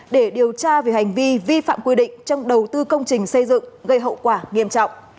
để điều tra về hành vi vi phạm quy định trong đầu tư công trình xây dựng gây hậu quả nghiêm trọng